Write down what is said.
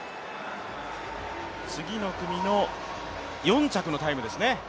次の組の４着のタイムですね